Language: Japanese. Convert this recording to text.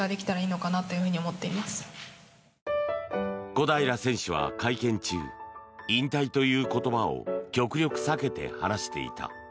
小平選手は会見中引退という言葉を極力避けて話していた。